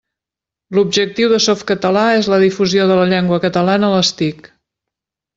L'objectiu de Softcatalà és la difusió de la llengua catalana a les TIC.